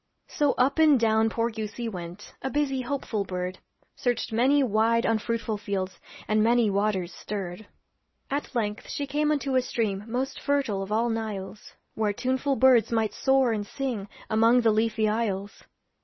So up and down poor goosey went, A busy, hopeful bird. Searched many wide unfruitful fields, And many waters stirred. At length she came unto a stream Most fertile of all Niles, Where tuneful birds might soar and sing Among the leafy isles.